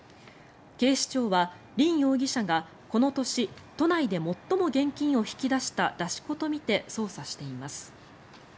警視庁はリン容疑者がこの年、都内で最も現金を引き出した出し子とみて捜査しています。